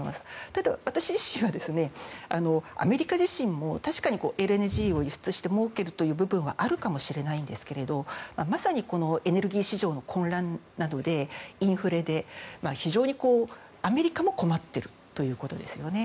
ただ、私自身はアメリカ自身も確かにＬＮＧを輸出してもうけるような部分はあるかもしれませんがまさにエネルギー市場の混乱などでインフレで、非常にアメリカも困っているということですよね。